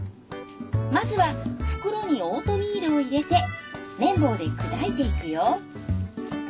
まずは袋にオートミールを入れて麺棒で砕いていくよ